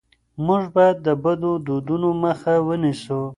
موږ باید د بدو دودونو مخه ونیسو.